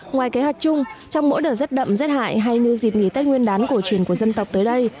ngoài kế hoạch chung trong mỗi đợt rét đậm rét hại hay như dịp nghỉ tết nguyên đán cổ truyền của dân tộc tới đây